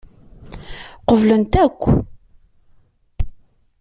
Qeblent akk.